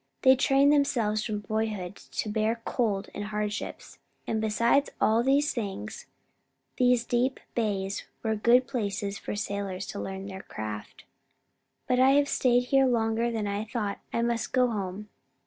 They trained themselves from boyhood to bear cold and hardships. And, besides all these things, these deep bays were good places for sailors to learn their craft. "But I have stayed here longer than I thought; I must go home.